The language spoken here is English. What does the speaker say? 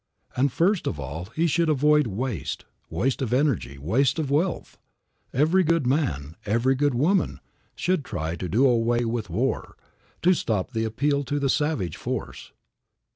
And, first of all, he should avoid waste waste of energy, waste of wealth. Every good man, every good woman, should try to do away with war, to stop the appeal to savage force.